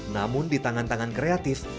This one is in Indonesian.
namun di tangan tangan kreatif